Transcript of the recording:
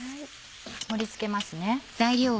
盛り付けますね。